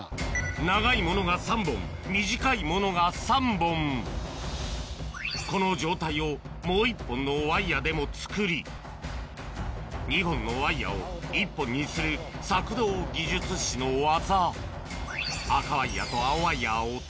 長いものが３本短いものが３本この状態をもう１本のワイヤでも作り２本のワイヤを１本にする索道技術士の技